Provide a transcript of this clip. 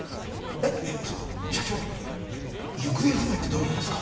えっ社長行方不明ってどういうことですか？